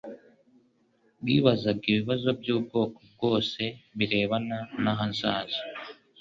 Bibazaga ibibazo by'ubwoko bwose birebana n'ahazaza,